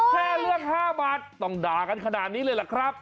แค่เรื่อง๕บาทต้องด่ากันขนาดนี้เลยล่ะครับ